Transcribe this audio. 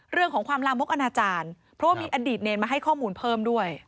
เรื่องของความลามกอนาจารย์เพราะว่ามีอดีตเนรมาให้ข้อมูลเพิ่มด้วย